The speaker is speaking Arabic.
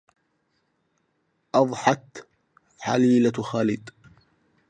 أضحت حليلة خالد